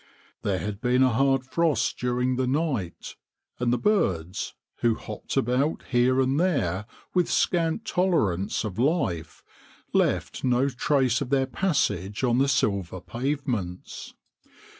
There had been a hard frost during the night, and the birds, who hopped about here and there with scant tolerance of life, left no trace of their passage on the silver pavements.